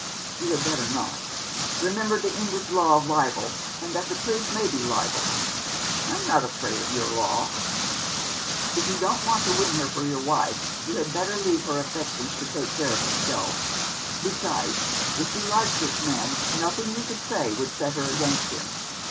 "You had better not. Remember the English law of libel, and that the truth may be libel." " I'm not afraid of your law." " If you don't want to win her for your wife you had better leave her affections to take care of themselves. Besides, if she likes this man, nothing you could say would set her against him.